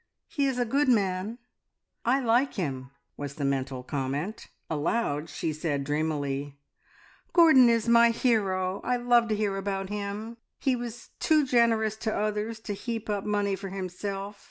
"He is a good man; I like him," was the mental comment. Aloud she said dreamily, "Gordon is my hero. I love to hear about him. He was too generous to others to heap up money for himself.